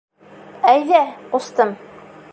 - Әйҙә, ҡустым.